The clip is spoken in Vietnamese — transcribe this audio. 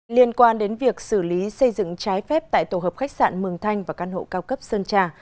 liên quan đến việc xử lý xây dựng trái phép tại tổ hợp khách sạn mường thanh và căn hộ cao cấp sơn trà